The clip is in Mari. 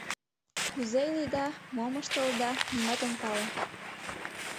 Кузе иледа, мом ыштылыда, нимат ом пале.